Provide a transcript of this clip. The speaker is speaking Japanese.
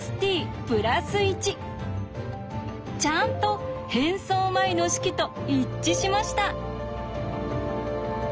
ちゃんと変装前の式と一致しました！